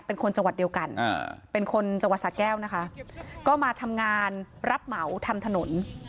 เป็นคนจังหวัดเดียวกันเป็นคนจังหวัดสะแก้วนะคะก็มาทำงานรับเหมาทำถนน